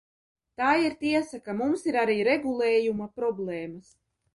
Tā ir tiesa, ka mums ir arī regulējuma problēmas.